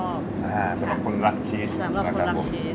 สำหรับคนรักชีส